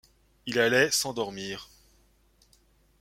Il allait s’endormir.